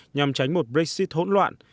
nhằm tránh một brexit hỗn hợp